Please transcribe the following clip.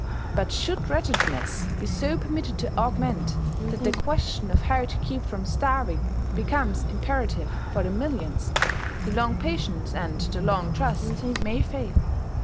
But should wretchedness be so permitted to augment that the question of how to keep from starving becomes imperative for the millions, the long patience and the long trust may fail.